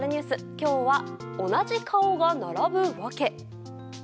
今日は同じ顔が並ぶワケ。